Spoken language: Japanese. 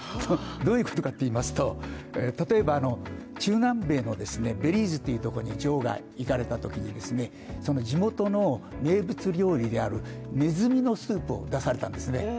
どういうことかといいますと例えば中南米のベリーズというところに女王が行かれたときに地元の名物料理であるねずみのスープを出されたんですね。